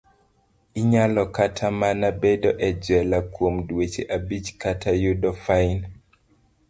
Inyalo kata mana bedo e jela kuom dweche abich, kata yudo fain.